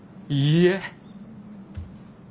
いいえ。